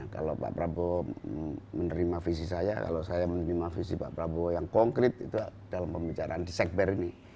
kalau pak prabowo menerima visi saya kalau saya menerima visi pak prabowo yang konkret itu dalam pembicaraan di sekber ini